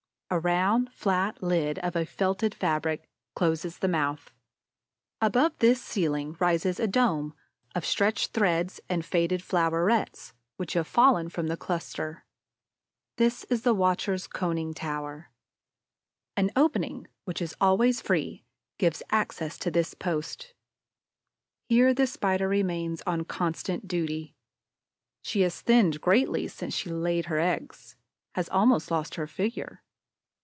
A round, flat lid, of a felted fabric, closes the mouth. Above this ceiling rises a dome of stretched threads and faded flowerets which have fallen from the cluster. This is the watcher's conning tower. An opening, which is always free, gives access to this post. Here the Spider remains on constant duty. She has thinned greatly since she laid her eggs, has almost lost her figure.